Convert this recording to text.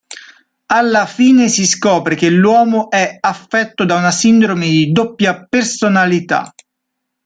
Alla fine si scopre che l'uomo è affetto da una sindrome di doppia personalità.